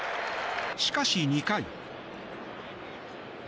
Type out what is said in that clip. しかし、２回。